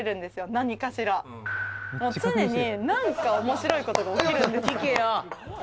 何かしらもう常に何か面白いことが起きるんですよ